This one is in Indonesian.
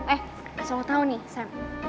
eh kasih lo tau nih sam